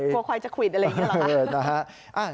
กลัวควายจะควิดอะไรอย่างนี้หรอครับ